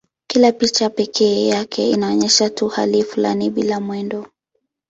Kila picha pekee yake inaonyesha tu hali fulani bila mwendo.